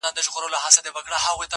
چي فتوا و میکدو ته په تلو راوړي,